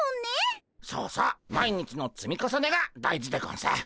そうそう毎日の積み重ねが大事でゴンス。